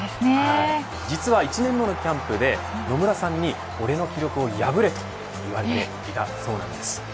実は１年目のキャンプで野村さんに俺の記録を破れ、と言われていたそうなんです。